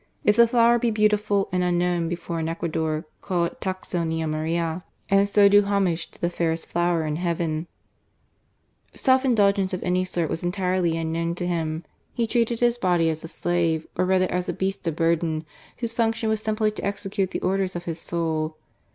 If the flower be beautiful and unknown before in Ecuador, call it Tacsonia Maria, and so do homage to the fairest flower in Heaven," Self indulgence of any sort was entirely unknown to him. He treated his body as a slave, or rather as a beast of burden, whose function was simply to execute the orders of his soul.